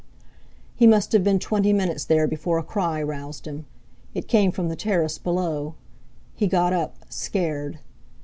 He must have been twenty minutes there before a cry roused him. It came from the terrace below. He got up, scared.